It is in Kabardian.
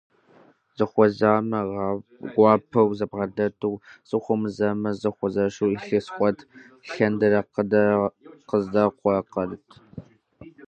Зэхуэзамэ, гуапэу зэбгъэдэту, зэхуэмызэмэ, зэхуэзэшу илъэс куэд лъандэрэ къызэдекӀуэкӀырт.